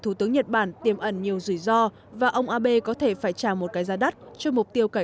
thủ tướng nhật bản tiêm ẩn nhiều rủi ro và ông abe có thể phải trả một cái giá đắt cho mục tiêu cải